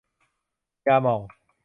ยาหม่อง